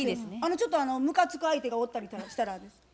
ちょっとむかつく相手がおったりとかしたら。